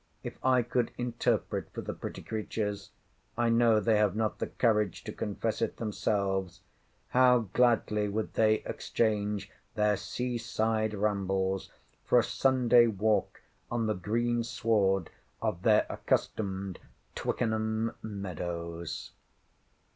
—if I could interpret for the pretty creatures (I know they have not the courage to confess it themselves) how gladly would they exchange their sea side rambles for a Sunday walk on the green sward of their accustomed Twickenham meadows!